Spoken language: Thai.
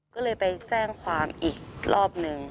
ก็เลยไปแจ้งความอีกรอบหนึ่ง